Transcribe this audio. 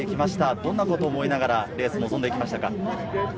どんなことを思いながらレースに臨んでいきましたか。